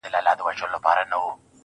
• د دود وهلي ښار سپېڅلي خلگ لا ژونـدي دي.